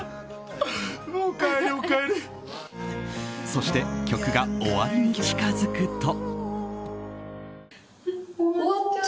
そして曲が終わりに近づくと。